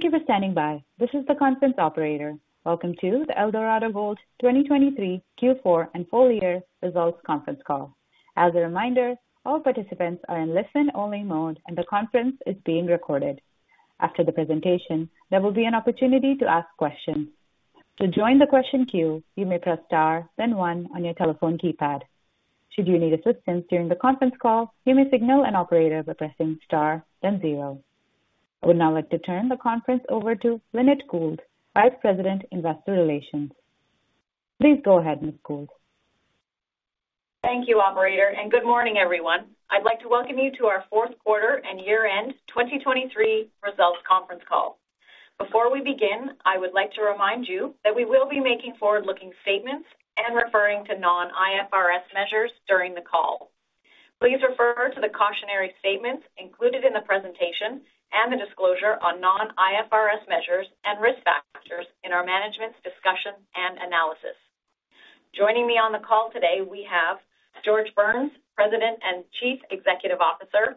Thank you for standing by. This is the conference operator. Welcome to the Eldorado Gold 2023 Q4 and Full Year Results Conference Call. As a reminder, all participants are in listen-only mode and the conference is being recorded. After the presentation, there will be an opportunity to ask questions. To join the question queue, you may press star, then 1 on your telephone keypad. Should you need assistance during the conference call, you may signal an operator by pressing star, then 0. I would now like to turn the conference over to Lynette Gould, Vice President Investor Relations. Please go ahead, Ms. Gould. Thank you, Operator, and good morning, everyone. I'd like to welcome you to our Q4 and year-end 2023 Results Conference Call. Before we begin, I would like to remind you that we will be making forward-looking statements and referring to non-IFRS measures during the call. Please refer to the cautionary statements included in the presentation and the disclosure on non-IFRS measures and risk factors in our management's discussion and analysis. Joining me on the call today, we have George Burns, President and Chief Executive Officer,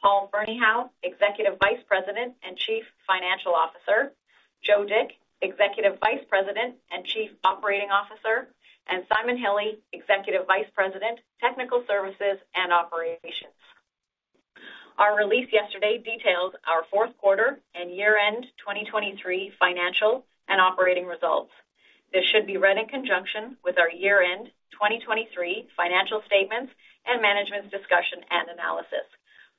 Paul Ferneyhough, Executive Vice President and Chief Financial Officer, Joe Dick, Executive Vice President and Chief Operating Officer, and Simon Hille, Executive Vice President, Technical Services and Operations. Our release yesterday details our fourth quarter and year-end 2023 financial and operating results. This should be read in conjunction with our year-end 2023 financial statements and management's discussion and analysis,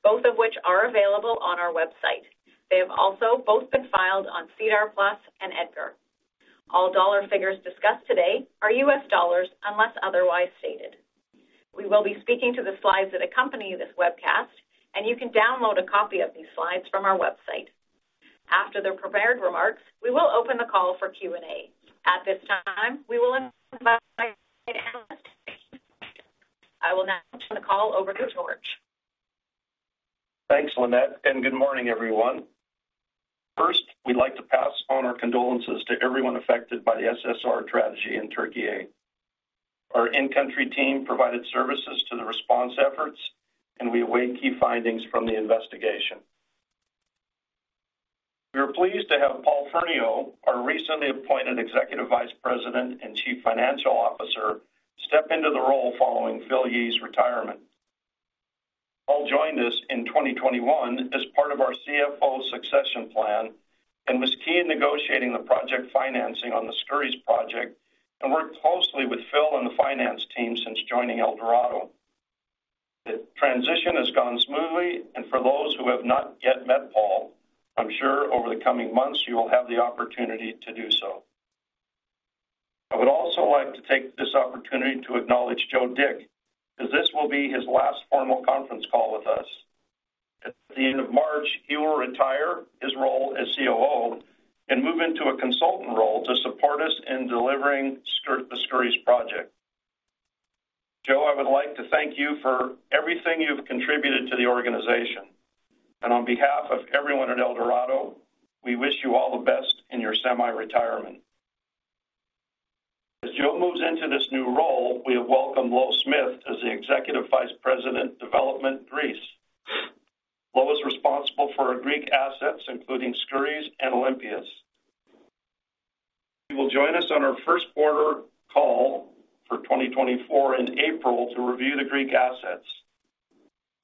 both of which are available on our website. They have also both been filed on SEDAR+ and EDGAR. All dollar figures discussed today are US dollars unless otherwise stated. We will be speaking to the slides that accompany this webcast, and you can download a copy of these slides from our website. After the prepared remarks, we will open the call for Q&A. At this time, we will invite our guest speaker. I will now turn the call over to George. Thanks, Lynette, and good morning, everyone. First, we'd like to pass on our condolences to everyone affected by the SSR tragedy in Türkiye. Our in-country team provided services to the response efforts, and we await key findings from the investigation. We are pleased to have Paul Ferneyhough, our recently appointed Executive Vice President and Chief Financial Officer, step into the role following Phil Yee's retirement. Paul joined us in 2021 as part of our CFO succession plan and was key in negotiating the project financing on the Skouries project and worked closely with Phil and the finance team since joining Eldorado. The transition has gone smoothly, and for those who have not yet met Paul, I'm sure over the coming months you will have the opportunity to do so. I would also like to take this opportunity to acknowledge Joe Dick, as this will be his last formal conference call with us. At the end of March, he will retire his role as COO and move into a consultant role to support us in delivering the Skouries project. Joe, I would like to thank you for everything you've contributed to the organization, and on behalf of everyone at Eldorado, we wish you all the best in your semi-retirement. As Joe moves into this new role, we have welcomed Louw Smith as the Executive Vice President, Development, Greece. Louw is responsible for Greek assets, including Skouries and Olympias. He will join us on our first quarter call for 2024 in April to review the Greek assets.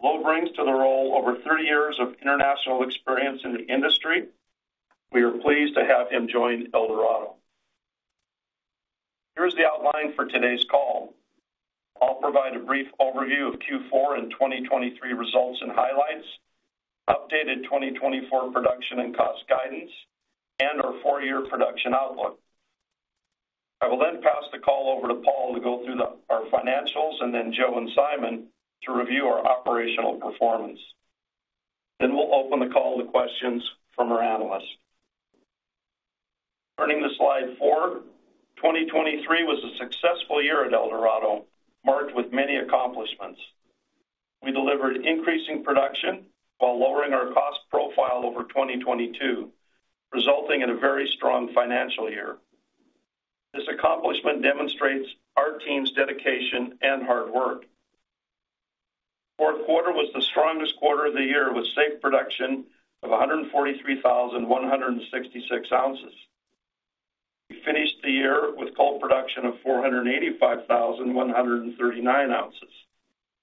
Louw brings to the role over 30 years of international experience in the industry. We are pleased to have him join Eldorado. Here is the outline for today's call. I'll provide a brief overview of Q4 and 2023 results and highlights, updated 2024 production and cost guidance, and our four-year production outlook. I will then pass the call over to Paul to go through our financials and then Joe and Simon to review our operational performance. Then we'll open the call to questions from our analysts. Turning to slide 4, 2023 was a successful year at Eldorado, marked with many accomplishments. We delivered increasing production while lowering our cost profile over 2022, resulting in a very strong financial year. This accomplishment demonstrates our team's dedication and hard work. Fourth quarter was the strongest quarter of the year, with safe production of 143,166 ounces. We finished the year with gold production of 485,139 ounces,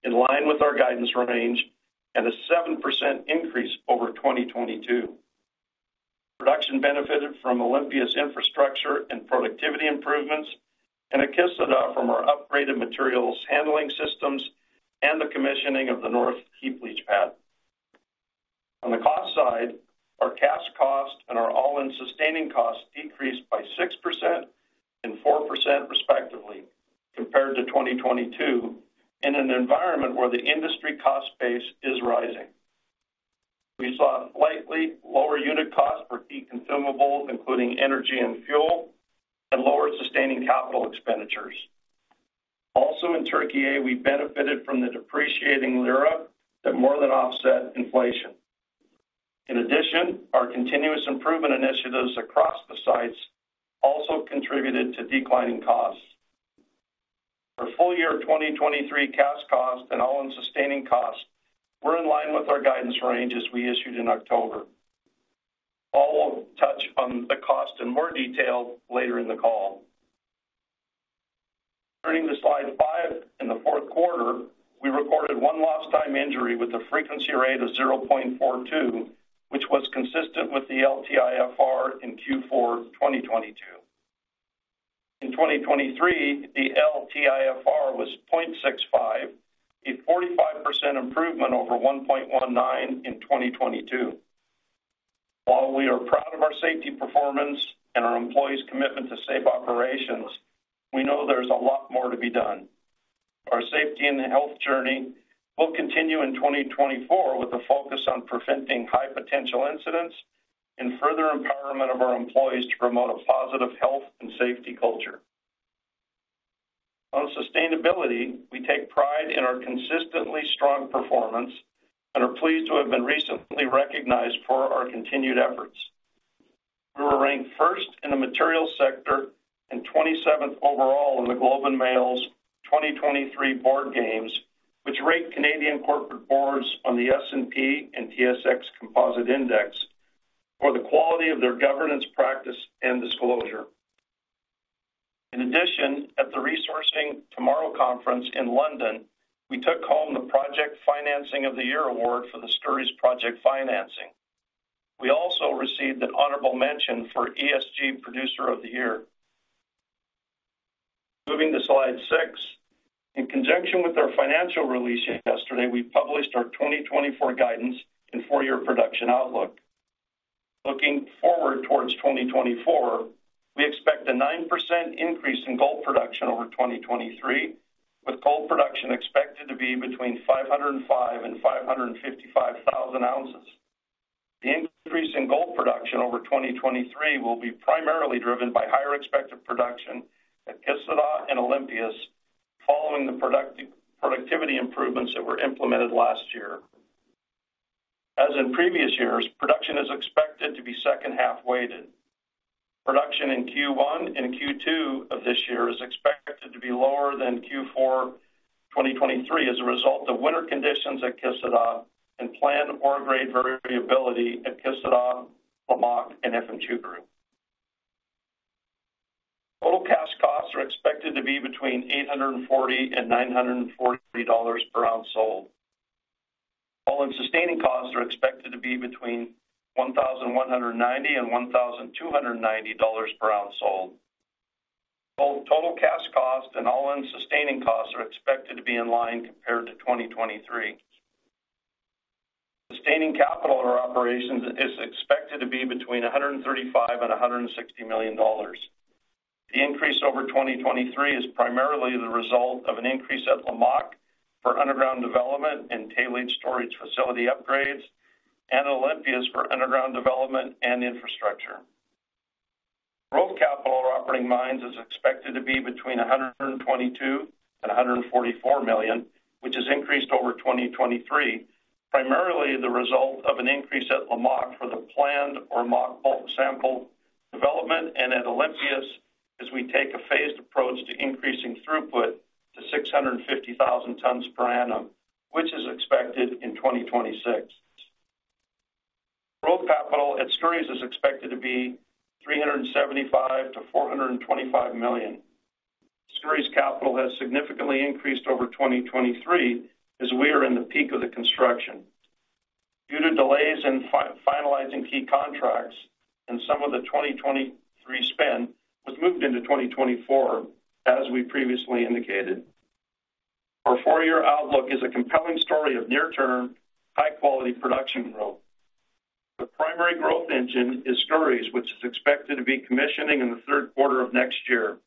in line with our guidance range and a 7% increase over 2022. Production benefited from Olympias infrastructure and productivity improvements and Kışladağ from our upgraded materials handling systems and the commissioning of the North Heap Leach Pad. On the cost side, our cash cost and our all-in sustaining cost decreased by 6% and 4%, respectively, compared to 2022 in an environment where the industry cost base is rising. We saw slightly lower unit costs for key consumables, including energy and fuel, and lower sustaining capital expenditures. Also, in Türkiye, we benefited from the depreciating lira that more than offset inflation. In addition, our continuous improvement initiatives across the sites also contributed to declining costs. For full year 2023 cash cost and all-in sustaining cost, we're in line with our guidance range as we issued in October. Paul will touch on the cost in more detail later in the call. Turning to slide 5, in the fourth quarter, we recorded one lost-time injury with a frequency rate of 0.42, which was consistent with the LTIFR in Q4 2022. In 2023, the LTIFR was 0.65, a 45% improvement over 1.19 in 2022. While we are proud of our safety performance and our employees' commitment to safe operations, we know there's a lot more to be done. Our safety and health journey will continue in 2024 with a focus on preventing high-potential incidents and further empowerment of our employees to promote a positive health and safety culture. On sustainability, we take pride in our consistently strong performance and are pleased to have been recently recognized for our continued efforts. We were ranked first in the materials sector and 27th overall in The Globe and Mail’s 2023 Board Games, which ranked Canadian corporate boards on the S&P and TSX Composite Index for the quality of their governance practice and disclosure. In addition, at the Resourcing Tomorrow Conference in London, we took home the Project Financing of the Year Award for the Skouries Project Financing. We also received an honorable mention for ESG Producer of the Year. Moving to slide 6, in conjunction with our financial release yesterday, we published our 2024 guidance and four-year production outlook. Looking forward towards 2024, we expect a 9% increase in gold production over 2023, with gold production expected to be between 505,000 and 555,000 ounces. The increase in gold production over 2023 will be primarily driven by higher expected production at Kışladağ and Olympias following the productivity improvements that were implemented last year. As in previous years, production is expected to be second-half weighted. Production in Q1 and Q2 of this year is expected to be lower than Q4 2023 as a result of winter conditions at Kışladağ and planned ore grade variability at Kışladağ, Lamaque, and Efemçukuru. Total Cash costs are expected to be between $840-$940 per ounce sold. All-in sustaining costs are expected to be between $1,190-$1,290 per ounce sold. Total Cash cost and all-in sustaining costs are expected to be in line compared to 2023. Sustaining capital at our operations is expected to be between $135-$160 million. The increase over 2023 is primarily the result of an increase at Lamaque for underground development and tailings storage facility upgrades, and Olympias for underground development and infrastructure. Growth capital at our operating mines is expected to be between $122-$144 million, which is increased over 2023, primarily the result of an increase at Lamaque for the planned Ormaque sample development, and at Olympias as we take a phased approach to increasing throughput to 650,000 tons per annum, which is expected in 2026. Growth capital at Skouries is expected to be $375-$425 million. Skouries capital has significantly increased over 2023 as we are in the peak of the construction. Due to delays in finalizing key contracts and some of the 2023 spend, it was moved into 2024, as we previously indicated. Our four-year outlook is a compelling story of near-term, high-quality production growth. The primary growth engine is Skouries, which is expected to be commissioning in the Q3 of next year.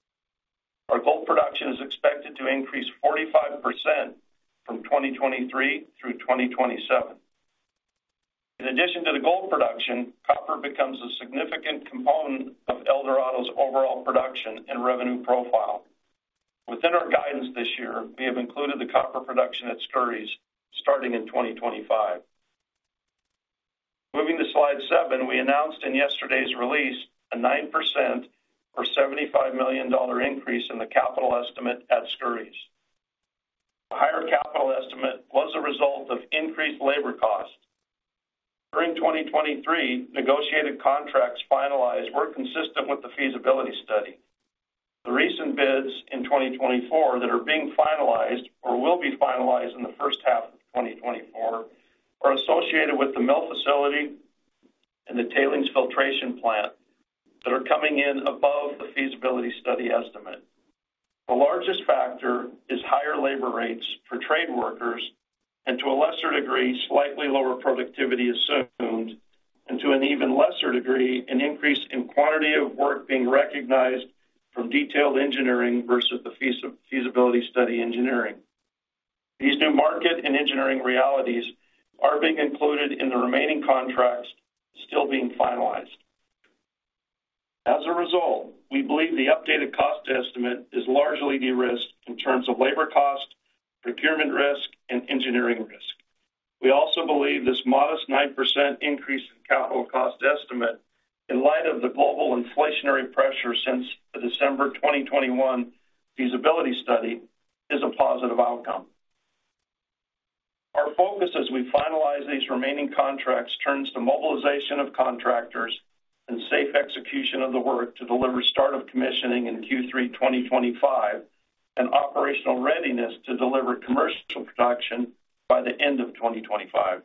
Our gold production is expected to increase 45% from 2023 through 2027. In addition to the gold production, copper becomes a significant component of Eldorado's overall production and revenue profile. Within our guidance this year, we have included the copper production at Skouries starting in 2025. Moving to slide 7, we announced in yesterday's release a 9% or $75 million increase in the capital estimate at Skouries. The higher capital estimate was a result of increased labor costs. During 2023, negotiated contracts finalized were consistent with the feasibility study. The recent bids in 2024 that are being finalized or will be finalized in the first half of 2024 are associated with the mill facility and the tailings filtration plant that are coming in above the feasibility study estimate. The largest factor is higher labor rates for trade workers and, to a lesser degree, slightly lower productivity assumed, and to an even lesser degree, an increase in quantity of work being recognized from detailed engineering versus the feasibility study engineering. These new market and engineering realities are being included in the remaining contracts still being finalized. As a result, we believe the updated cost estimate is largely de-risked in terms of labor cost, procurement risk, and engineering risk. We also believe this modest 9% increase in capital cost estimate, in light of the global inflationary pressure since the December 2021 feasibility study, is a positive outcome. Our focus as we finalize these remaining contracts turns to mobilization of contractors and safe execution of the work to deliver start of commissioning in Q3 2025 and operational readiness to deliver commercial production by the end of 2025.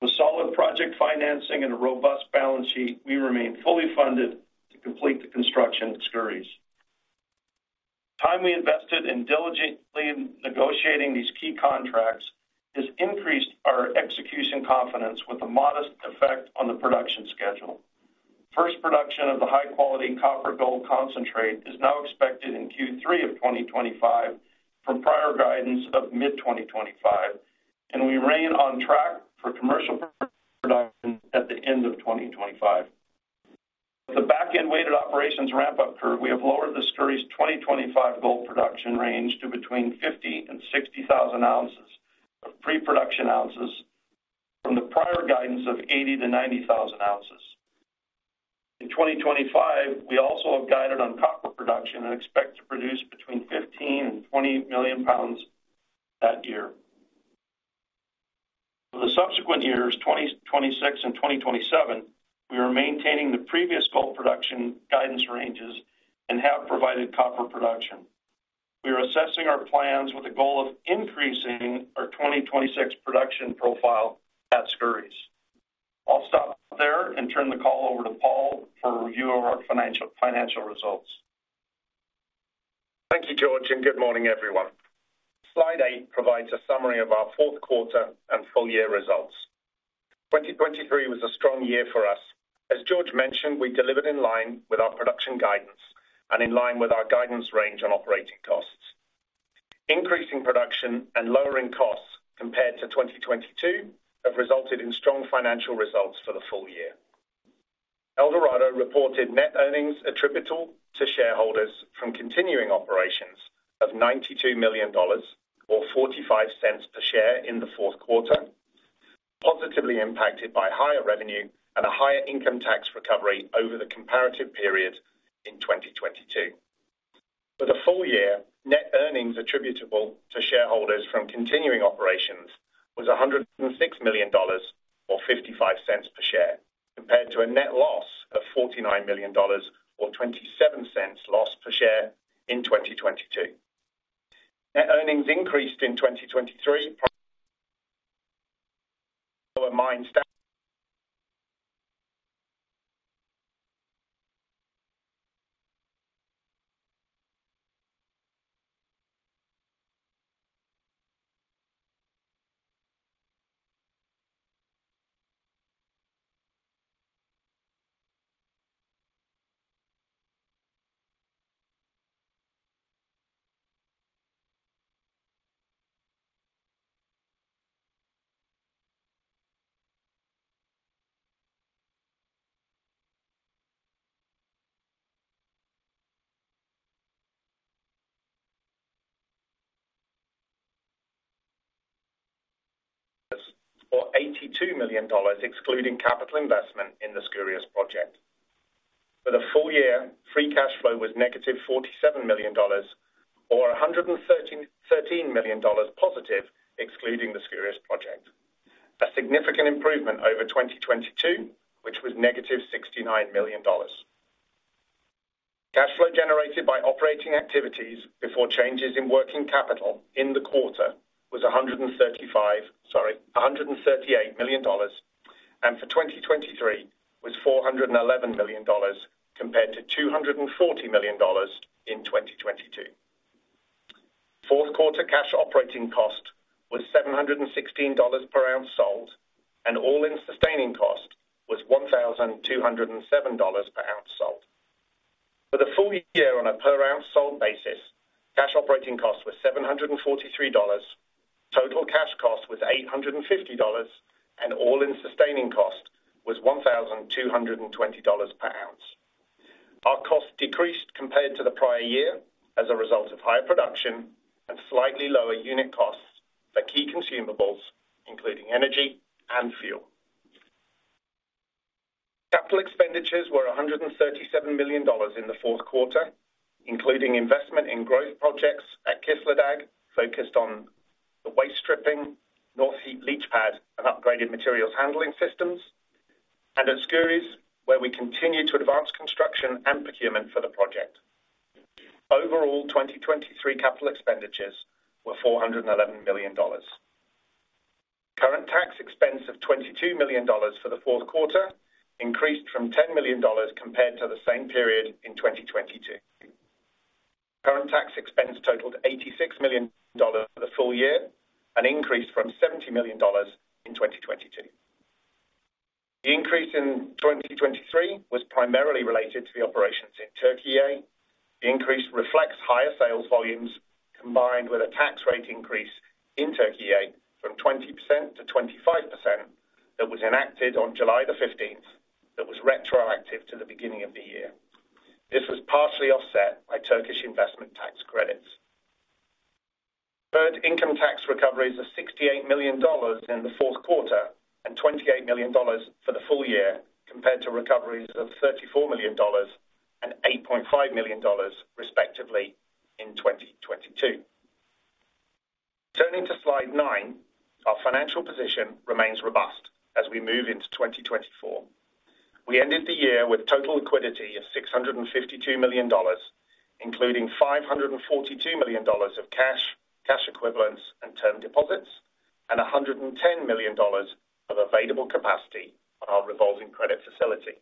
With solid project financing and a robust balance sheet, we remain fully funded to complete the construction at Skouries. The time we invested in diligently negotiating these key contracts has increased our execution confidence with a modest effect on the production schedule. First production of the high-quality copper-gold concentrate is now expected in Q3 of 2025 from prior guidance of mid-2025, and we remain on track for commercial production at the end of 2025. With the back-end weighted operations ramp-up curve, we have lowered the Skouries 2025 gold production range to between 50,000 and 60,000 ounces of pre-production ounces from the prior guidance of 80,000-90,000 ounces. In 2025, we also have guided on copper production and expect to produce between 15,000,000 and 20,000,000 pounds that year. For the subsequent years, 2026 and 2027, we are maintaining the previous gold production guidance ranges and have provided copper production. We are assessing our plans with the goal of increasing our 2026 production profile at Skouries. I'll stop there and turn the call over to Paul for review of our financial results. Thank you, George, and good morning, everyone. Slide 8 provides a summary of our fourth quarter and full year results. 2023 was a strong year for us. As George mentioned, we delivered in line with our production guidance and in line with our guidance range on operating costs. Increasing production and lowering costs compared to 2022 have resulted in strong financial results for the full year. Eldorado reported net earnings attributable to shareholders from continuing operations of $92 million or $0.45 per share in the fourth quarter, positively impacted by higher revenue and a higher income tax recovery over the comparative period in 2022. For the full year, net earnings attributable to shareholders from continuing operations was $106 million or $0.55 per share compared to a net loss of $49 million or $0.27 loss per share in 2022. Net earnings increased in 2023 from lower mine or $82 million excluding capital investment in the Skouries project. For the full year, free cash flow was negative $47 million or $113 million positive excluding the Skouries project, a significant improvement over 2022, which was negative $69 million. Cash flow generated by operating activities before changes in working capital in the quarter was $138 million, and for 2023 was $411 million compared to $240 million in 2022. Fourth quarter cash operating cost was $716 per ounce sold, and all-in sustaining cost was $1,207 per ounce sold. For the full year on a per ounce sold basis, cash operating cost was $743, total cash cost was $850, and all-in sustaining cost was $1,220 per ounce. Our costs decreased compared to the prior year as a result of higher production and slightly lower unit costs for key consumables, including energy and fuel. Capital expenditures were $137 million in the fourth quarter, including investment in growth projects at Kışladağ focused on the waste stripping, North heap leach pads, and upgraded materials handling systems, and at Skouries, where we continue to advance construction and procurement for the project. Overall, 2023 capital expenditures were $411 million. Current tax expense of $22 million for the fourth quarter increased from $10 million compared to the same period in 2022. Current tax expense totaled $86 million for the full year and increased from $70 million in 2022. The increase in 2023 was primarily related to the operations in Türkiye. The increase reflects higher sales volumes combined with a tax rate increase in Türkiye from 20%-25% that was enacted on July 15th that was retroactive to the beginning of the year. This was partially offset by Turkish investment tax credits. The income tax recoveries are $68 million in the fourth quarter and $28 million for the full year compared to recoveries of $34 million and $8.5 million, respectively, in 2022. Turning to slide 9, our financial position remains robust as we move into 2024. We ended the year with total liquidity of $652 million, including $542 million of cash equivalents and term deposits, and $110 million of available capacity on our revolving credit facility.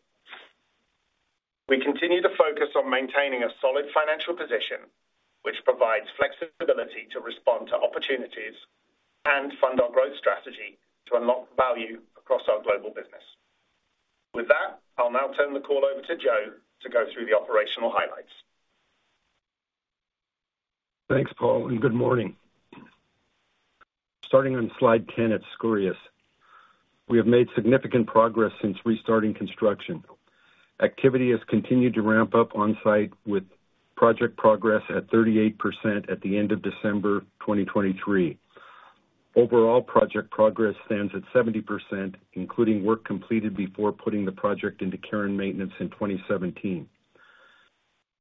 We continue to focus on maintaining a solid financial position, which provides flexibility to respond to opportunities and fund our growth strategy to unlock value across our global business. With that, I'll now turn the call over to Joe to go through the operational highlights. Thanks, Paul, and good morning. Starting on slide 10 at Skouries, we have made significant progress since restarting construction. Activity has continued to ramp up on-site with project progress at 38% at the end of December 2023. Overall, project progress stands at 70%, including work completed before putting the project into carrying maintenance in 2017.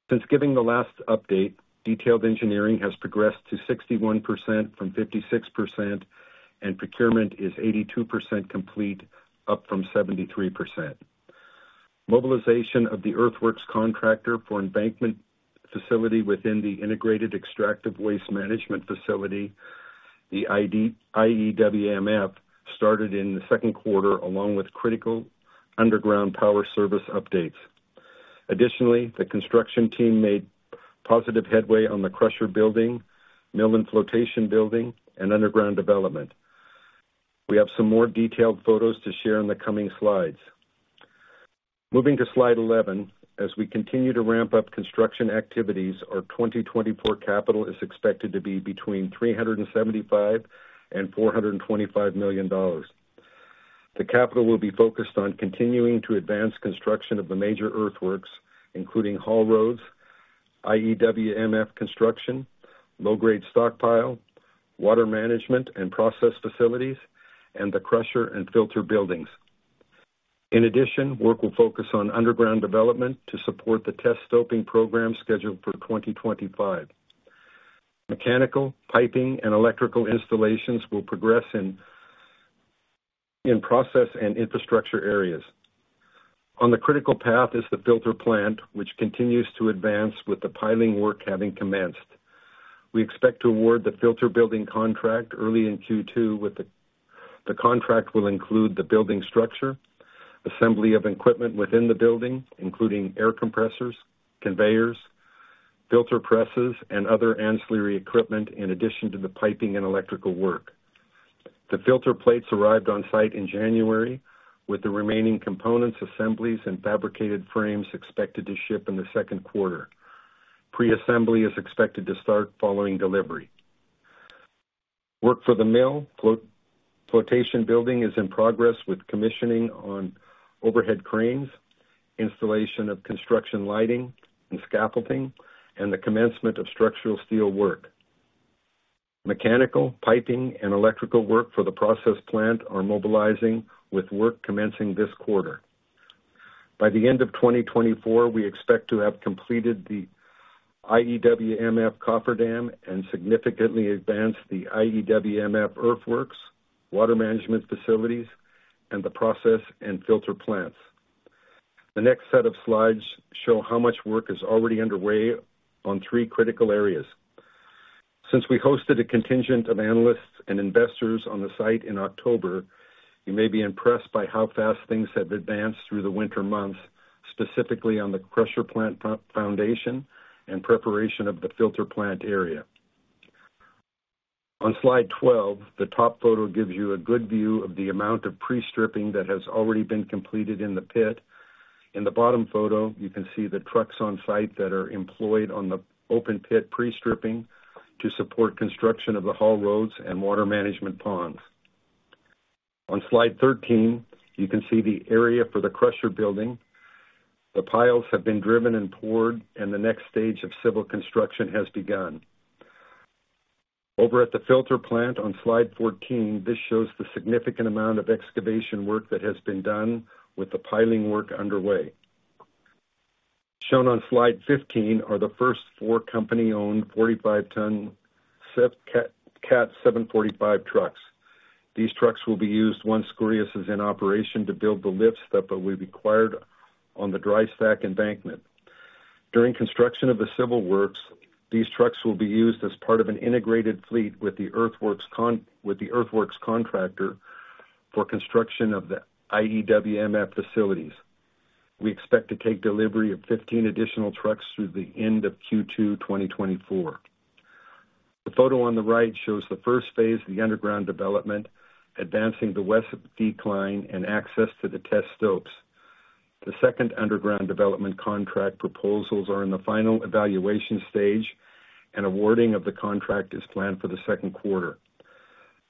Since giving the last update, detailed engineering has progressed to 61% from 56%, and procurement is 82% complete, up from 73%. Mobilization of the Earthworks contractor for embankment facility within the Integrated Extractive Waste Management Facility, the IEWMF, started in the second quarter along with critical underground power service updates. Additionally, the construction team made positive headway on the crusher building, mill and flotation building, and underground development. We have some more detailed photos to share in the coming slides. Moving to slide 11, as we continue to ramp up construction activities, our 2024 capital is expected to be between $375 and $425 million. The capital will be focused on continuing to advance construction of the major earthworks, including haul roads, IEWMF construction, low-grade stockpile, water management and process facilities, and the crusher and filter buildings. In addition, work will focus on underground development to support the test stoping program scheduled for 2025. Mechanical, piping, and electrical installations will progress in process and infrastructure areas. On the critical path is the filter plant, which continues to advance with the piling work having commenced. We expect to award the filter building contract early in Q2, with the contract will include the building structure, assembly of equipment within the building, including air compressors, conveyors, filter presses, and other ancillary equipment in addition to the piping and electrical work. The filter plates arrived on-site in January, with the remaining components, assemblies, and fabricated frames expected to ship in the second quarter. Pre-assembly is expected to start following delivery. Work for the mill flotation building is in progress with commissioning on overhead cranes, installation of construction lighting and scaffolding, and the commencement of structural steel work. Mechanical, piping, and electrical work for the process plant are mobilizing with work commencing this quarter. By the end of 2024, we expect to have completed the IEWMF copper dam and significantly advanced the IEWMF earthworks, water management facilities, and the process and filter plants. The next set of slides show how much work is already underway on three critical areas. Since we hosted a contingent of analysts and investors on the site in October, you may be impressed by how fast things have advanced through the winter months, specifically on the crusher plant foundation and preparation of the filter plant area. On slide 12, the top photo gives you a good view of the amount of pre-stripping that has already been completed in the pit. In the bottom photo, you can see the trucks on site that are employed on the open pit pre-stripping to support construction of the haul roads and water management ponds. On slide 13, you can see the area for the crusher building. The piles have been driven and poured, and the next stage of civil construction has begun. Over at the filter plant on slide 14, this shows the significant amount of excavation work that has been done with the piling work underway. Shown on slide 15 are the first four company-owned 45-ton CAT 745 trucks. These trucks will be used once Skouries is in operation to build the lifts that will be required on the dry stack embankment. During construction of the civil works, these trucks will be used as part of an integrated fleet with the earthworks contractor for construction of the IEWMF facilities. We expect to take delivery of 15 additional trucks through the end of Q2 2024. The photo on the right shows the first phase, the underground development, advancing the west decline and access to the test stopes. The second underground development contract proposals are in the final evaluation stage, and awarding of the contract is planned for the second quarter.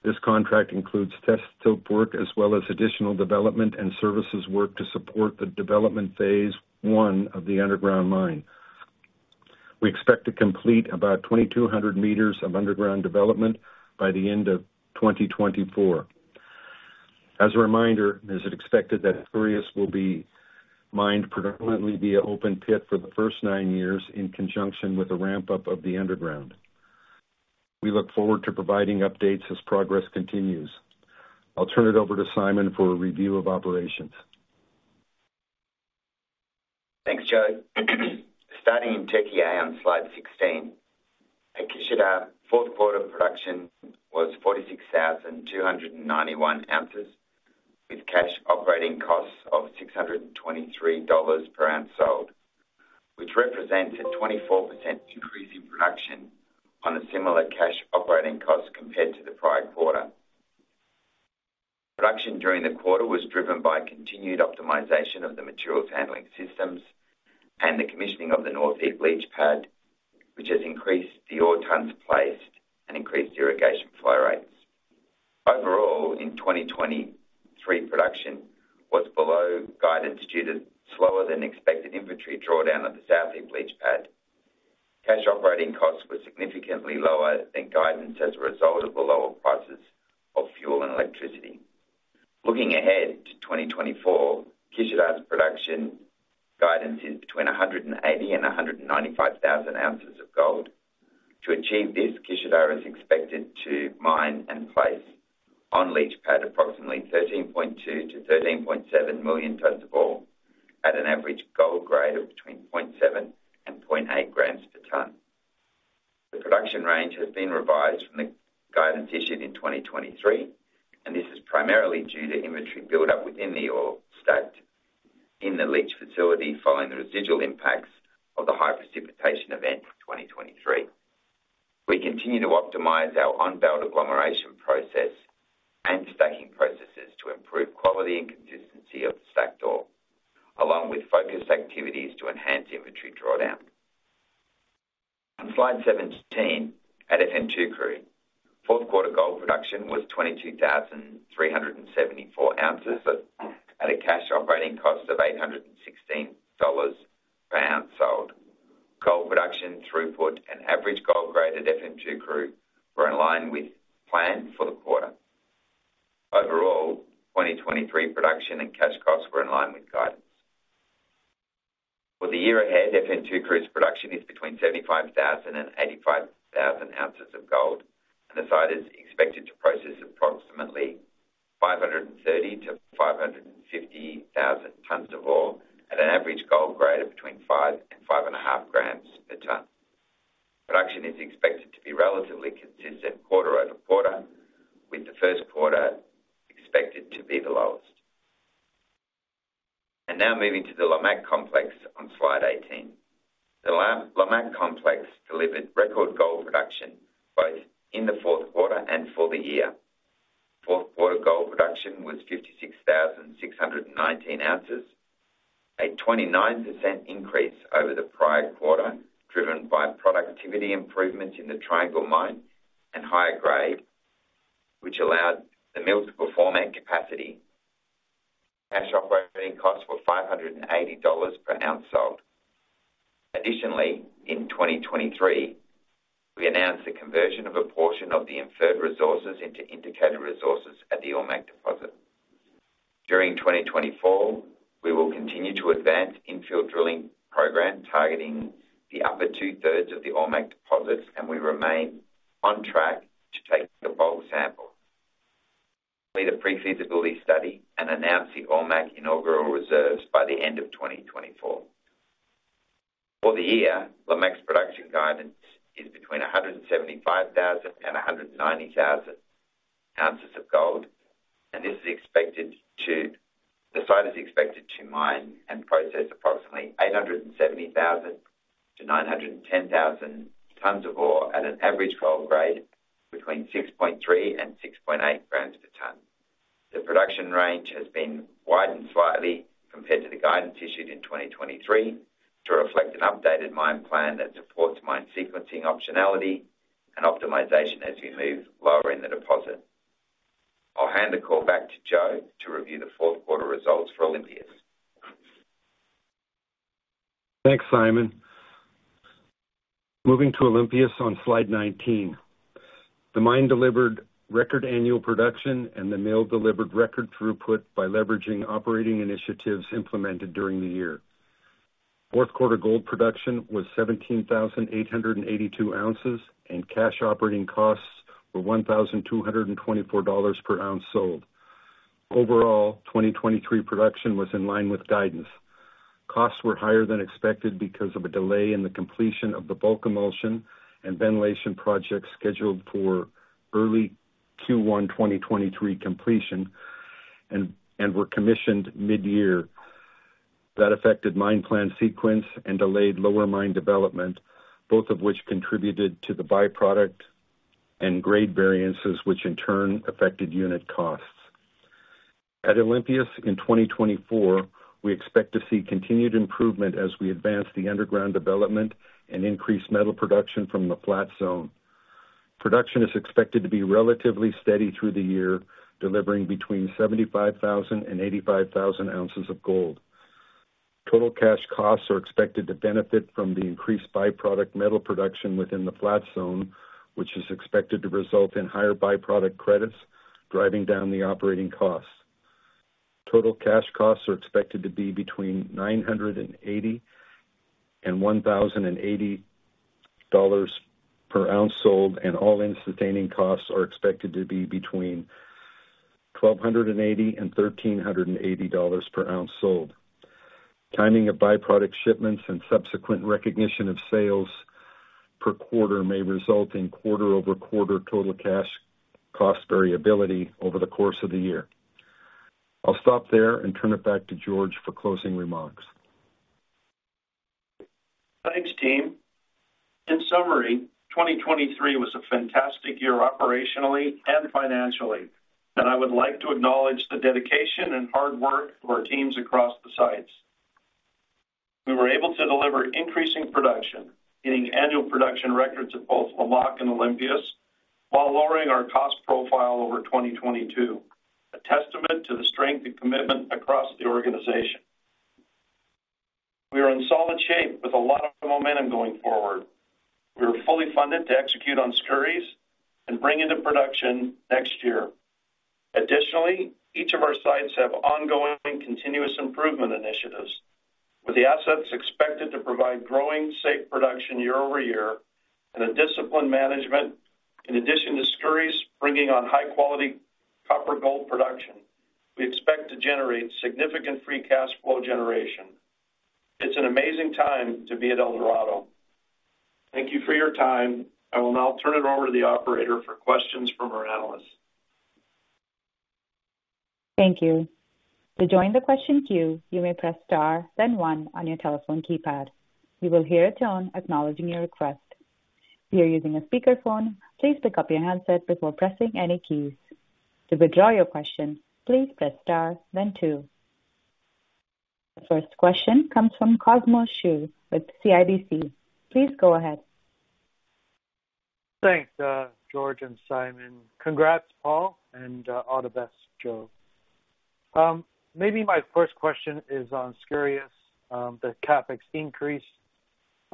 This contract includes test development work as well as additional development and services work to support the development phase one of the underground mine. We expect to complete about 2,200 meters of underground development by the end of 2024. As a reminder, it is expected that Skouries will be mined predominantly via open pit for the first nine years in conjunction with a ramp-up of the underground. We look forward to providing updates as progress continues. I'll turn it over to Simon for a review of operations. Thanks, Joe. Starting in Türkiye on slide 16, our fourth quarter production was 46,291 ounces with cash operating costs of $623 per ounce sold, which represents a 24% increase in production on a similar cash operating cost compared to the prior quarter. Production during the quarter was driven by continued optimization of the materials handling systems and the commissioning of the North Heap Leach Pad, which has increased the ore tons placed and increased irrigation flow rates. Overall, in 2023, production was below guidance due to slower than expected inventory drawdown of the South Heap Leach Pad. Cash operating costs were significantly lower than guidance as a result of the lower prices of fuel and electricity. Looking ahead to 2024, Kışladağ's production guidance is between 180-195 thousand ounces of gold. To achieve this, Kışladağ is expected to mine and place on leach pad approximately 13.2-13.7 million tons of ore at an average gold grade of between 0.7-0.8 grams per ton. The production range has been revised from the guidance issued in 2023, and this is primarily due to inventory buildup within the ore stacked in the leach facility following the residual impacts of the high precipitation event in 2023. We continue to optimize our on-belt agglomeration process and stacking processes to improve quality and consistency of the stacked ore, along with focused activities to enhance inventory drawdown. On slide 17 at Efemçukuru, fourth quarter gold production was 22,374 ounces at a cash operating cost of $816 per ounce sold. Gold production, throughput, and average gold grade at Efemçukuru were in line with plan for the quarter. Overall, 2023 production and cash costs were in line with guidance. For the year ahead, Efemçukuru's production is between 75,000 and 85,000 ounces of gold, and the site is expected to process approximately 530,000-550,000 tons of ore at an average gold grade of between 5 and 5.5 grams per ton. Production is expected to be relatively consistent quarter-over-quarter, with the Q1 expected to be the lowest. Now moving to the Lamaque complex on slide 18. The Lamaque complex delivered record gold production both in the fourth quarter and for the year. Fourth quarter gold production was 56,619 ounces, a 29% increase over the prior quarter driven by productivity improvements in the Triangle Mine and higher grade, which allowed the mill to perform at capacity. Cash operating costs were $580 per ounce sold. Additionally, in 2023, we announced the conversion of a portion of the inferred resources into indicated resources at the Ormaque deposit. During 2024, we will continue to advance infill drilling program targeting the upper two-thirds of the Ormaque deposits, and we remain on track to take the bulk sample. We will complete a prefeasibility study and announce the Ormaque inaugural reserves by the end of 2024. For the year, Lamaque's production guidance is between 175,000 and 190,000 ounces of gold, and the site is expected to mine and process approximately 870,000-910,000 tons of ore at an average gold grade between 6.3 and 6.8 grams per ton. The production range has been widened slightly compared to the guidance issued in 2023 to reflect an updated mine plan that supports mine sequencing optionality and optimization as we move lower in the deposit. I'll hand the call back to Joe to review the fourth quarter results for Olympias. Thanks, Simon. Moving to Olympias on slide 19. The mine delivered record annual production and the mill delivered record throughput by leveraging operating initiatives implemented during the year. Fourth quarter gold production was 17,882 ounces, and cash operating costs were $1,224 per ounce sold. Overall, 2023 production was in line with guidance. Costs were higher than expected because of a delay in the completion of the bulk emulsion and ventilation project scheduled for early Q1 2023 completion and were commissioned mid-year. That affected mine plan sequence and delayed lower mine development, both of which contributed to the byproduct and grade variances, which in turn affected unit costs. At Olympias in 2024, we expect to see continued improvement as we advance the underground development and increase metal production from the flat zone. Production is expected to be relatively steady through the year, delivering between 75,000 and 85,000 ounces of gold. Total cash costs are expected to benefit from the increased byproduct metal production within the flat zone, which is expected to result in higher byproduct credits driving down the operating costs. Total cash costs are expected to be between $980 and $1,080 per ounce sold, and all-in sustaining costs are expected to be between $1,280 and $1,380 per ounce sold. Timing of byproduct shipments and subsequent recognition of sales per quarter may result in quarter-over-quarter total cash cost variability over the course of the year. I'll stop there and turn it back to George for closing remarks. Thanks, team. In summary, 2023 was a fantastic year operationally and financially, and I would like to acknowledge the dedication and hard work of our teams across the sites. We were able to deliver increasing production, hitting annual production records at both Lamaque and Olympias while lowering our cost profile over 2022, a testament to the strength and commitment across the organization. We are in solid shape with a lot of momentum going forward. We are fully funded to execute on Skouries and bring into production next year. Additionally, each of our sites have ongoing continuous improvement initiatives, with the assets expected to provide growing safe production year over year and a disciplined management. In addition to Skouries bringing on high-quality copper gold production, we expect to generate significant free cash flow generation. It's an amazing time to be at Eldorado. Thank you for your time. I will now turn it over to the operator for questions from our analysts. Thank you. To join the question queue, you may press star, then one on your telephone keypad. You will hear a tone acknowledging your request. If you're using a speakerphone, please pick up your handset before pressing any keys. To withdraw your question, please press star, then two. The first question comes from Cosmos Chiu with CIBC. Please go ahead. Thanks, George and Simon. Congrats, Paul, and all the best, Joe. Maybe my first question is on Skouries, the CapEx increase.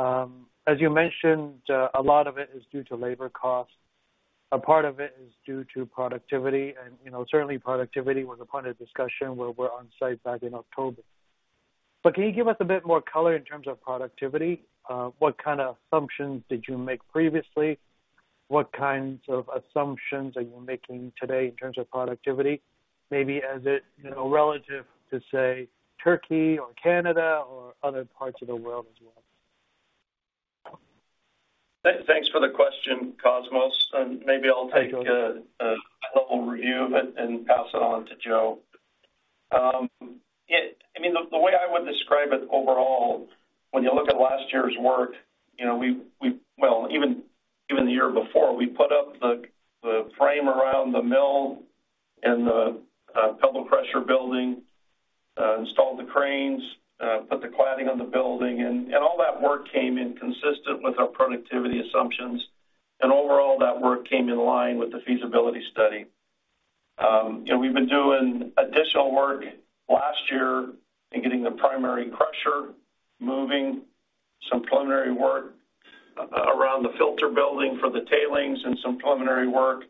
As you mentioned, a lot of it is due to labor costs. A part of it is due to productivity. And certainly, productivity was a point of discussion where we're on site back in October. But can you give us a bit more color in terms of productivity? What kind of assumptions did you make previously? What kinds of assumptions are you making today in terms of productivity, maybe as it relative to, say, Turkey or Canada or other parts of the world as well? Thanks for the question, Cosmos. Maybe I'll take a high-level review of it and pass it on to Joe. I mean, the way I would describe it overall, when you look at last year's work, well, even the year before, we put up the frame around the mill and the pebble crusher building, installed the cranes, put the cladding on the building. All that work came in consistent with our productivity assumptions. Overall, that work came in line with the feasibility study. We've been doing additional work last year in getting the primary crusher moving, some preliminary work around the filter building for the tailings, and some preliminary work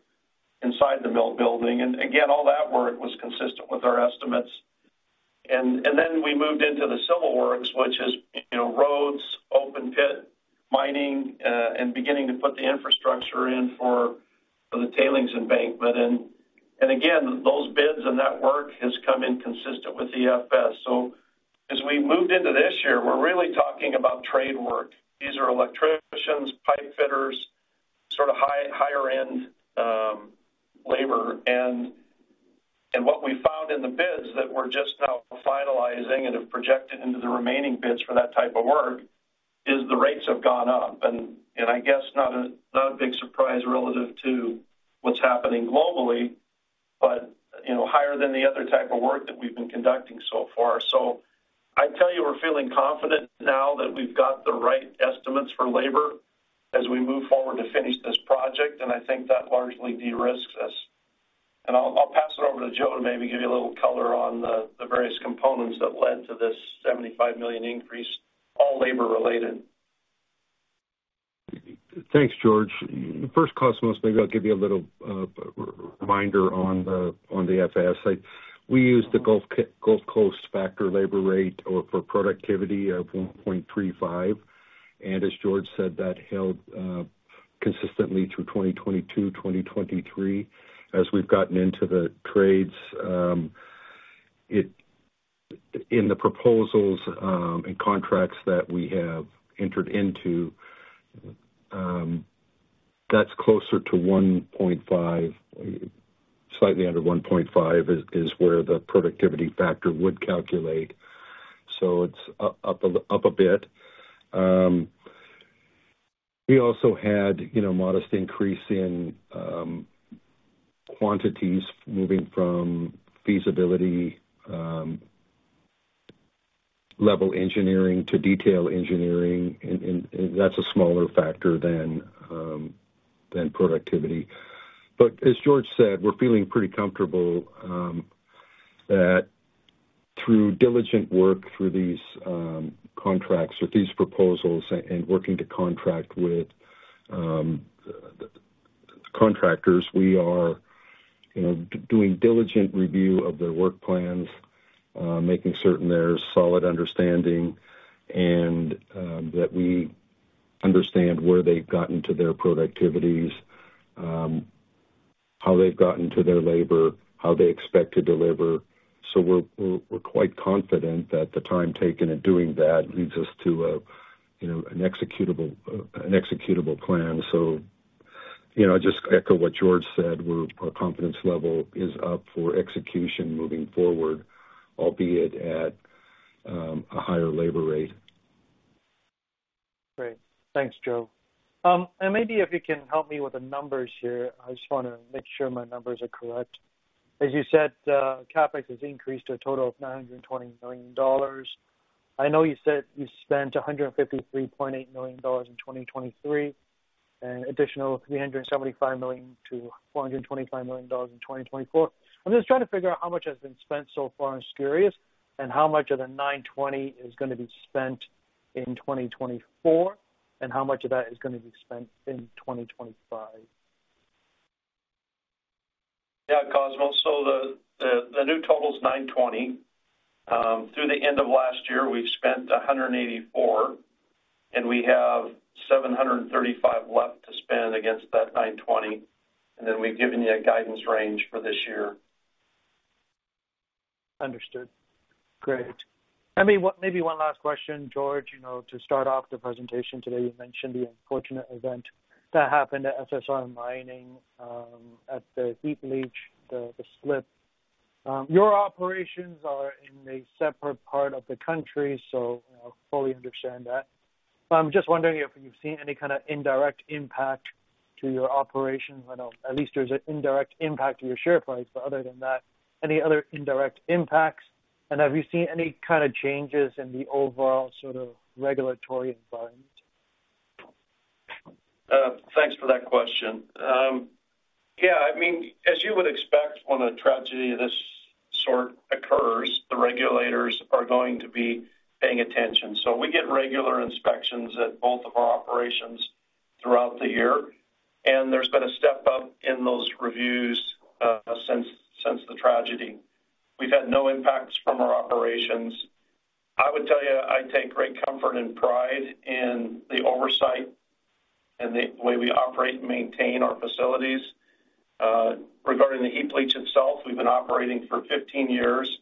inside the mill building. Again, all that work was consistent with our estimates. And then we moved into the civil works, which is roads, open pit, mining, and beginning to put the infrastructure in for the tailings embankment. And again, those bids and that work has come in consistent with the FS. So as we moved into this year, we're really talking about trade work. These are electricians, pipe fitters, sort of higher-end labor. And what we found in the bids that we're just now finalizing and have projected into the remaining bids for that type of work is the rates have gone up. And I guess not a big surprise relative to what's happening globally, but higher than the other type of work that we've been conducting so far. So I'd tell you we're feeling confident now that we've got the right estimates for labor as we move forward to finish this project. And I think that largely de-risks us. I'll pass it over to Joe to maybe give you a little color on the various components that led to this $75 million increase, all labor-related. Thanks, George. First, Cosmos, maybe I'll give you a little reminder on the FS. We use the Gulf Coast factor labor rate for productivity of 1.35. And as George said, that held consistently through 2022, 2023. As we've gotten into the trades, in the proposals and contracts that we have entered into, that's closer to 1.5. Slightly under 1.5 is where the productivity factor would calculate. It's up a bit. We also had a modest increase in quantities moving from feasibility-level engineering to detail engineering. That's a smaller factor than productivity. But as George said, we're feeling pretty comfortable that through diligent work through these contracts or these proposals and working to contract with contractors, we are doing diligent review of their work plans, making certain there's solid understanding and that we understand where they've gotten to their productivities, how they've gotten to their labor, how they expect to deliver. So we're quite confident that the time taken in doing that leads us to an executable plan. So I just echo what George said. Our confidence level is up for execution moving forward, albeit at a higher labor rate. Great. Thanks, Joe. And maybe if you can help me with the numbers here, I just want to make sure my numbers are correct. As you said, CapEx has increased to a total of $920 million. I know you said you spent $153.8 million in 2023 and additional $375 million-$425 million in 2024. I'm just trying to figure out how much has been spent so far on Skouries and how much of the $920 million is going to be spent in 2024 and how much of that is going to be spent in 2025. Yeah, Cosmos. So the new total is $920 million. Through the end of last year, we've spent $184 million, and we have $735 million left to spend against that $920 million. And then we've given you a guidance range for this year. Understood. Great. I mean, maybe one last question, George. To start off the presentation today, you mentioned the unfortunate event that happened at SSR Mining at the heap leach, the slip. Your operations are in a separate part of the country, so I fully understand that. But I'm just wondering if you've seen any kind of indirect impact to your operations. I know at least there's an indirect impact to your share price. But other than that, any other indirect impacts? And have you seen any kind of changes in the overall sort of regulatory environment? Thanks for that question. Yeah. I mean, as you would expect, when a tragedy of this sort occurs, the regulators are going to be paying attention. So we get regular inspections at both of our operations throughout the year. And there's been a step up in those reviews since the tragedy. We've had no impacts from our operations. I would tell you I take great comfort and pride in the oversight and the way we operate and maintain our facilities. Regarding the heap leach itself, we've been operating for 15 years.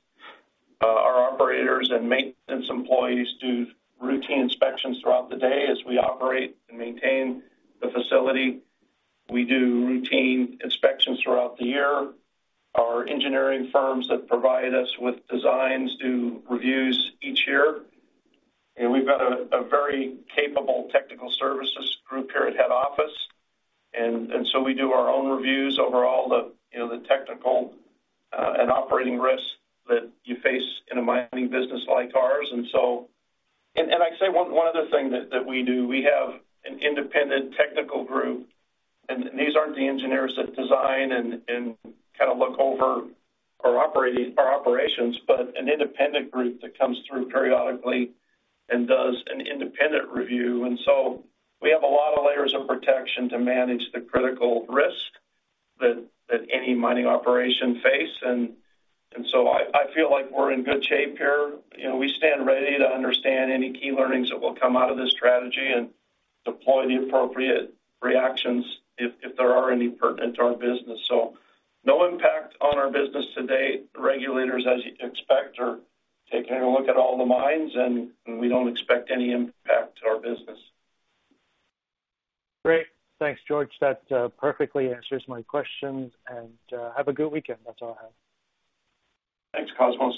Our operators and maintenance employees do routine inspections throughout the day as we operate and maintain the facility. We do routine inspections throughout the year. Our engineering firms that provide us with designs do reviews each year. We've got a very capable technical services group here at head office. So we do our own reviews over all the technical and operating risks that you face in a mining business like ours. I'd say one other thing that we do, we have an independent technical group. These aren't the engineers that design and kind of look over our operations, but an independent group that comes through periodically and does an independent review. So we have a lot of layers of protection to manage the critical risks that any mining operation faces. So I feel like we're in good shape here. We stand ready to understand any key learnings that will come out of this strategy and deploy the appropriate reactions if there are any pertinent to our business. So no impact on our business to date. The regulators, as you expect, are taking a look at all the mines, and we don't expect any impact to our business. Great. Thanks, George. That perfectly answers my questions. Have a good weekend. That's all I have. Thanks, Cosmos.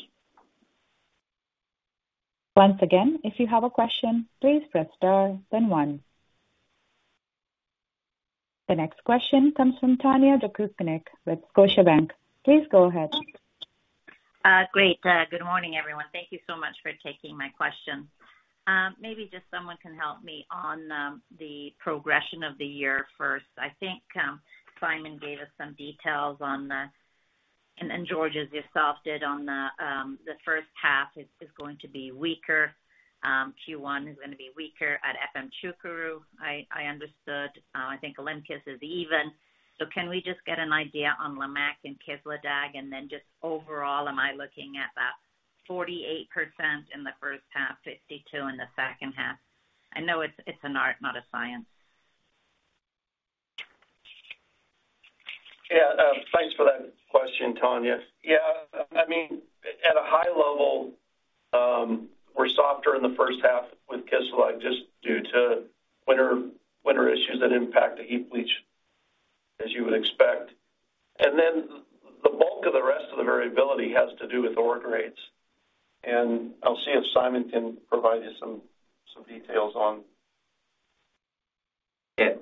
Once again, if you have a question, please press star, then one. The next question comes from Tanya Jakusconek with Scotiabank. Please go ahead. Great. Good morning, everyone. Thank you so much for taking my question. Maybe just someone can help me on the progression of the year first. I think Simon gave us some details on the and George, as yourself did, on the first half is going to be weaker. Q1 is going to be weaker at Efemçukuru, I understood. I think Olympias is even. So can we just get an idea on Lamaque and Kışladağ? And then just overall, am I looking at that 48% in the first half, 52% in the second half? I know it's an art, not a science. Yeah. Thanks for that question, Tanya. Yeah. I mean, at a high level, we're softer in the first half with Kışladağ just due to winter issues that impact the heap leach, as you would expect. And then the bulk of the rest of the variability has to do with ore grades. And I'll see if Simon can provide you some details on. Yeah.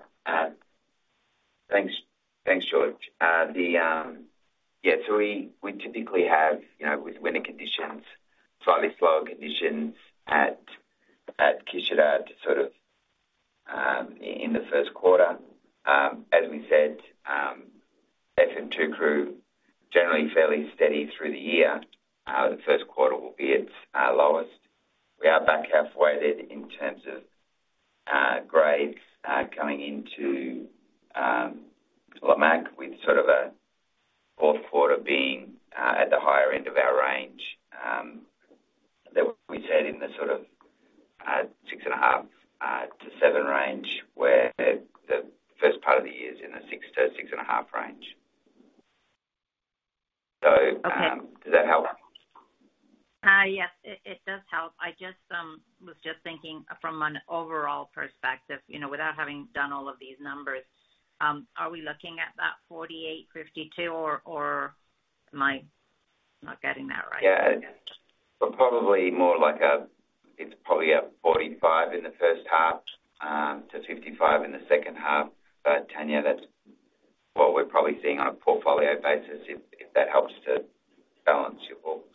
Thanks, George. Yeah. So we typically have, with winter conditions, slightly slower conditions at Kışladağ sort of in the first quarter. As we said, Efemçukuru, generally fairly steady through the year. The first quarter will be its lowest. We are back halfway there in terms of grades coming into Lamaque, with sort of a fourth quarter being at the higher end of our range. We said in the sort of 6.5-7 range where the first part of the year is in the 6-6.5 range. So does that help? Yes, it does help. I was just thinking from an overall perspective, without having done all of these numbers, are we looking at that 48-52, or am I not getting that right? Yeah. But probably more like a it's probably a 45 in the first half to 55 in the second half. But Tanya, that's what we're probably seeing on a portfolio basis, if that helps to balance your books.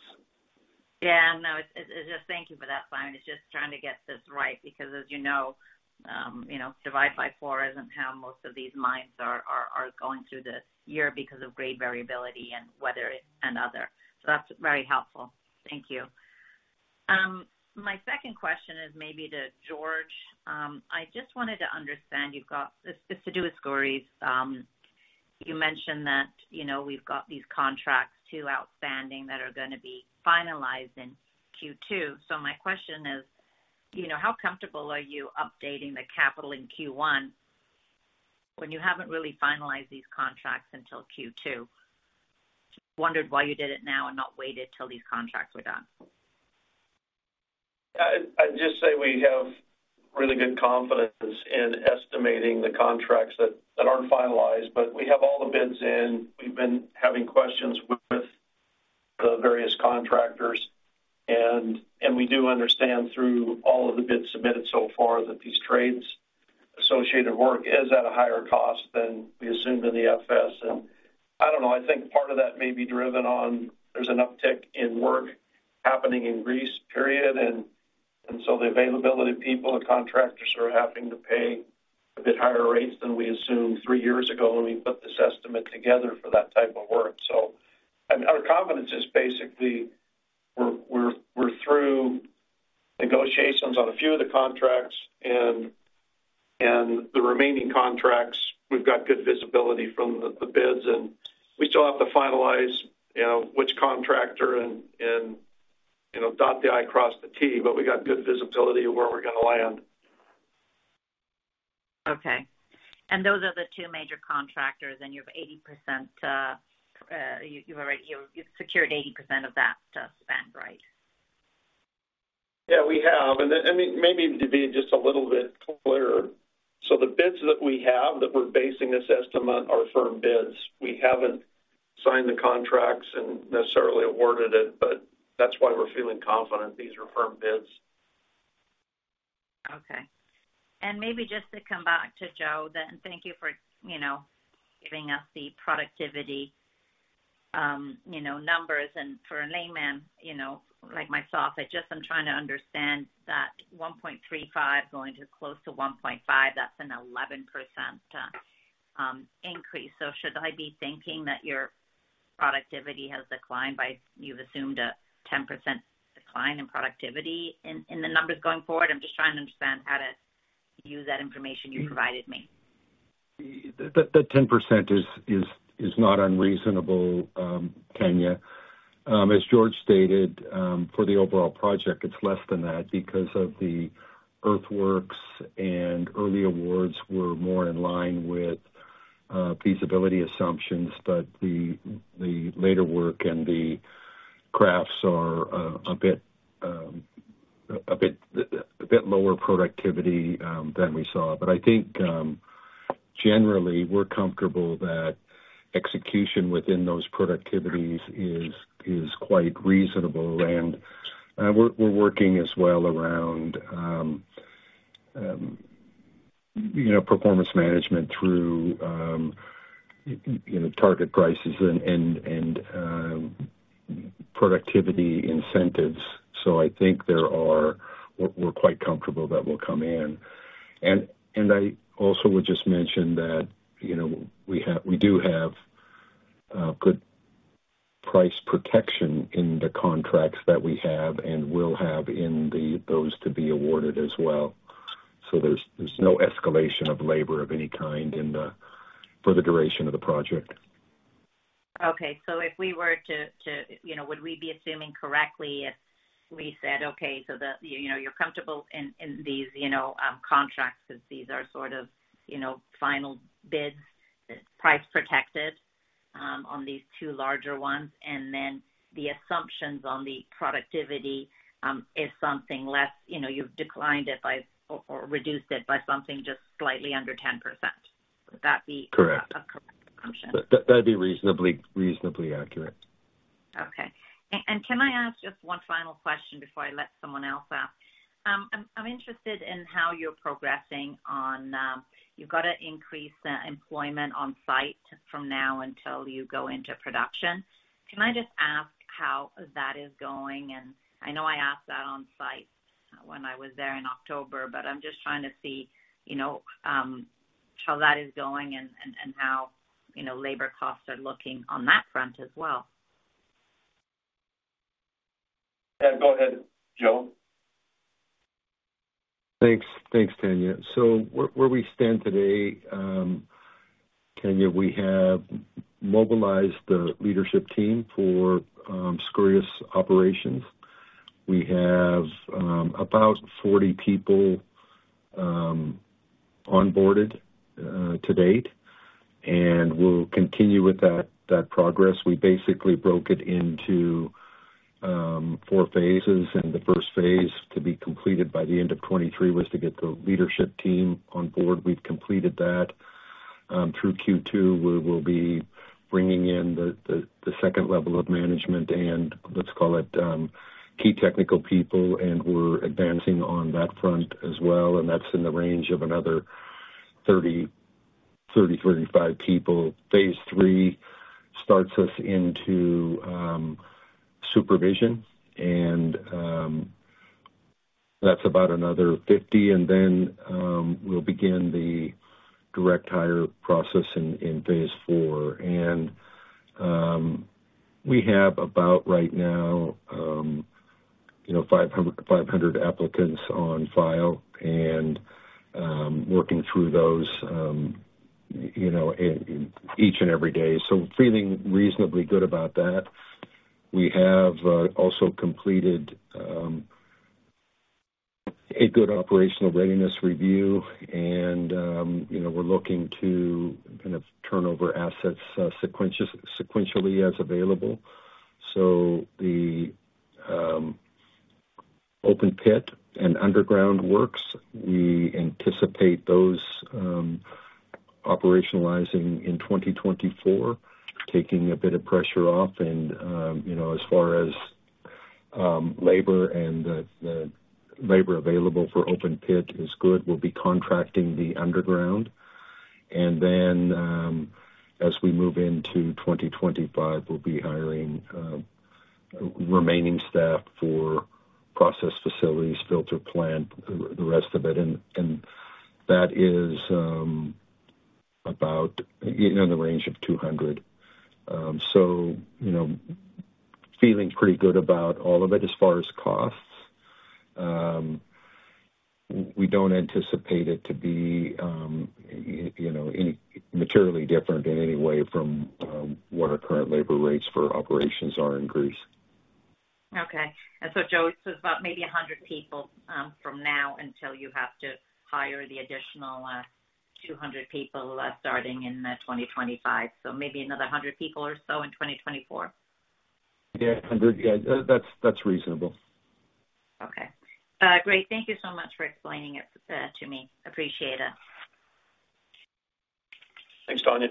Yeah. No. Thank you for that, Simon. It's just trying to get this right because, as you know, divide by 4 isn't how most of these mines are going through the year because of grade variability and weather and other. So that's very helpful. Thank you. My second question is maybe to George. I just wanted to understand you've got this to do with Skouries. You mentioned that we've got these contracts, too, outstanding that are going to be finalized in Q2. So my question is, how comfortable are you updating the capital in Q1 when you haven't really finalized these contracts until Q2? Just wondered why you did it now and not waited till these contracts were done. I'd just say we have really good confidence in estimating the contracts that aren't finalized. But we have all the bids in. We've been having questions with the various contractors. We do understand through all of the bids submitted so far that these trades-associated work is at a higher cost than we assumed in the FS. I don't know. I think part of that may be driven on there's an uptick in work happening in Greece, period. So the availability of people, the contractors, are having to pay a bit higher rates than we assumed three years ago when we put this estimate together for that type of work. I mean, our confidence is basically we're through negotiations on a few of the contracts. The remaining contracts, we've got good visibility from the bids. We still have to finalize which contractor and dot the i, cross the t. But we got good visibility of where we're going to land. Okay. Those are the two major contractors. You have 80%? You've already secured 80% of that to spend, right? Yeah, we have. Maybe to be just a little bit clearer, so the bids that we have that we're basing this estimate on are firm bids. We haven't signed the contracts and necessarily awarded it. But that's why we're feeling confident these are firm bids. Okay. Maybe just to come back to Joe then, thank you for giving us the productivity numbers. For a layman like myself, I just am trying to understand that 1.35 going to close to 1.5, that's an 11% increase. So should I be thinking that your productivity has declined by you've assumed a 10% decline in productivity in the numbers going forward? I'm just trying to understand how to use that information you provided me. That 10% is not unreasonable, Tanya. As George stated, for the overall project, it's less than that because of the earthworks, and early awards were more in line with feasibility assumptions. But the later work and the crafts are a bit lower productivity than we saw. But I think, generally, we're comfortable that execution within those productivities is quite reasonable. And we're working as well around performance management through target prices and productivity incentives. So I think we're quite comfortable that will come in. And I also would just mention that we do have good price protection in the contracts that we have and will have in those to be awarded as well. So there's no escalation of labor of any kind for the duration of the project. Okay. So if we were to would we be assuming correctly if we said, "Okay. So you're comfortable in these contracts because these are sort of final bids, price protected on these two larger ones? And then the assumptions on the productivity is something less you've declined it by or reduced it by something just slightly under 10%. Would that be a correct assumption? Correct. That'd be reasonably accurate. Okay. And can I ask just one final question before I let someone else ask? I'm interested in how you're progressing on you've got to increase employment on site from now until you go into production. Can I just ask how that is going? And I know I asked that on site when I was there in October. But I'm just trying to see how that is going and how labor costs are looking on that front as well. Yeah. Go ahead, Joe. Thanks, Tanya. So where we stand today, Tanya, we have mobilized the leadership team for Skouries operations. We have about 40 people onboarded to date. And we'll continue with that progress. We basically broke it into four phases. And the first phase to be completed by the end of 2023 was to get the leadership team on board. We've completed that. Through Q2, we'll be bringing in the second level of management and, let's call it, key technical people. And we're advancing on that front as well. And that's in the range of another 30-35 people. Phase three starts us into supervision. And that's about another 50. And then we'll begin the direct hire process in phase four. And we have about, right now, 500 applicants on file and working through those each and every day. So feeling reasonably good about that. We have also completed a good operational readiness review. We're looking to kind of turnover assets sequentially as available. The open pit and underground works, we anticipate those operationalizing in 2024, taking a bit of pressure off. As far as labor and the labor available for open pit is good, we'll be contracting the underground. Then as we move into 2025, we'll be hiring remaining staff for process facilities, filter plant, the rest of it. That is about in the range of 200. So feeling pretty good about all of it as far as costs. We don't anticipate it to be any materially different in any way from what our current labor rates for operations are in Greece. Okay. So Joe says about maybe 100 people from now until you have to hire the additional 200 people starting in 2025. So maybe another 100 people or so in 2024? Yeah. 100. Yeah. That's reasonable. Okay. Great. Thank you so much for explaining it to me. Appreciate it. Thanks, Tanya.